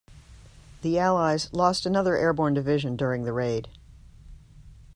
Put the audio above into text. The allies lost another airborne division during the raid.